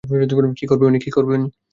কী করবে উনি?